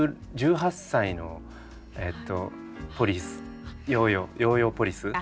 １８歳のえっとポリス。